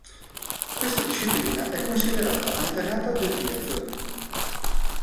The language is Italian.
Questa disciplina è considerata antenata del biathlon.